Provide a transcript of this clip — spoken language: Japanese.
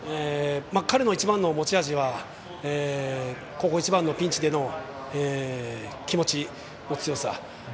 彼の一番の持ち味はここ一番のピンチでの気持ちの強さ。